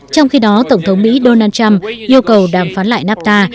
trong khi đó tổng thống mỹ donald trump yêu cầu đàm phán lại nafta